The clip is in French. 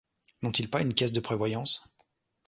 N’ont-ils pas une caisse de prévoyance?